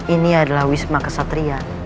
ini adalah wisma kesatria